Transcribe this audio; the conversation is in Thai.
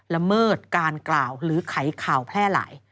ละเมิดการกล่าวหรือไขข่าวแพร่หลาย